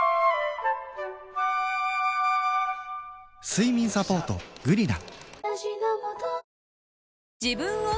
睡眠サポート「グリナ」